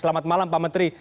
selamat malam pak menteri